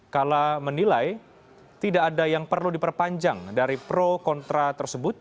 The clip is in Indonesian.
kala menilai tidak ada yang perlu diperpanjang dari pro kontra tersebut